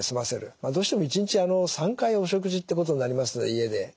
どうしても一日３回お食事ってことになります家で。